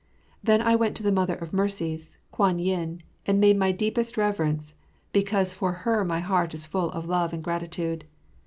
Then I went to the Mother of Mercies, Kwan yin, and made my deepest reverence, because for her my heart is full of love and gratitude.